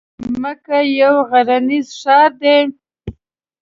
مکه یو غرنیز ښار دی.